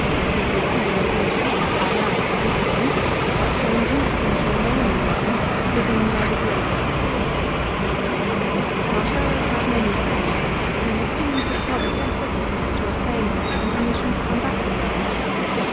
It was Caesar's wish not to drive out the good men, but to induce them to remain in Bomo living by the grace of his favour. Marcellus had many friends, and it seems that a public effort was made to obtain for him permission to come back to Borne.